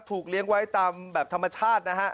เลี้ยงไว้ตามแบบธรรมชาตินะฮะ